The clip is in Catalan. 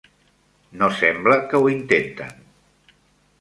No sembla que ho intenten.